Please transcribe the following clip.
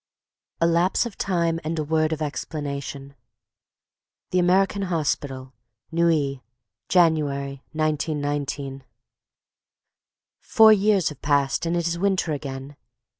IV A Lapse of Time and a Word of Explanation The American Hospital, Neuilly, January 1919. Four years have passed and it is winter again.